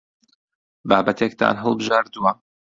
بابەتێکتان هەڵبژاردووە؟